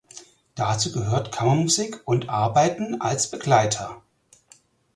Dazu gehört Kammermusik und Arbeiten als Begleiter.